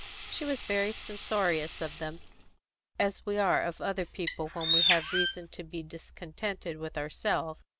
She was very censorious of them, as we are of other people when we have reason to be discontented with ourselves.